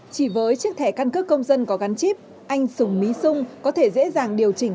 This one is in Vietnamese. chỉ với chiếc thẻ căn cước công dân có gắn chip anh sùng mỹ dung có thể dễ dàng điều chỉnh